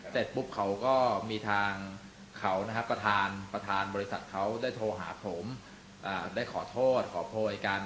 เสร็จปุ๊บเขาก็มีทางเขานะครับประธานบริษัทเขาได้โทรหาผมได้ขอโทษขอโพยกัน